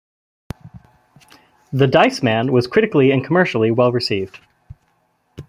"The Dice Man" was critically and commercially well received.